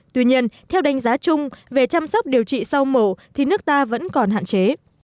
tuy nhiên theo đánh giá chung về chăm sóc điều trị sau mổ thì nước ta vẫn còn hạn chế